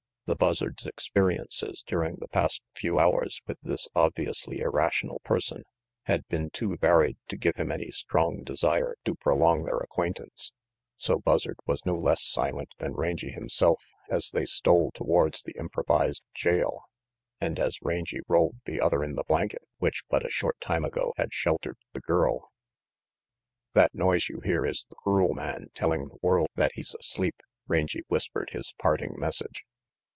The Buzzard's experiences during the past few hours with this obviously irrational person had been too varied to give him any strong desire to prolong their acquaintance, so Buzzard was no less silent than Rangy himself as they stole towards the improvised jail, and as Rangy rolled the other in the blanket which but a short time ago had sheltered the girl. "That noise you hear is the crool man telling the \iorld that he's asleep," Rangy whispered his parting message.